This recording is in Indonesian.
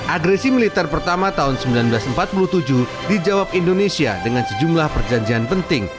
agresi militer pertama tahun seribu sembilan ratus empat puluh tujuh dijawab indonesia dengan sejumlah perjanjian penting